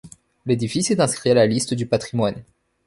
L'édifice est inscrit à la liste du patrimoine.